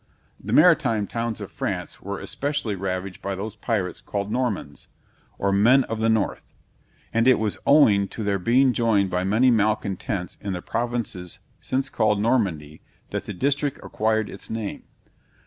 The maritime towns of France were especially ravaged by those pirates called "Normands," or men of the North; and it was owing to their being joined by many malcontents, in the provinces since called Normandy, that that district acquired its name.